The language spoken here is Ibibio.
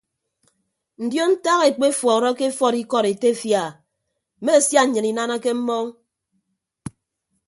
Ndion ntak ekpefuọrọke efuọd ikọd etefia a mme sia nnyịn inanake mmọọñ.